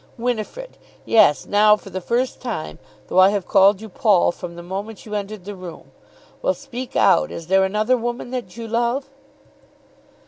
"Winifrid! Yes, now for the first time, though I have called you Paul from the moment you entered the room. Well, speak out. Is there another woman that you love?"